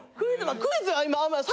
クイズは。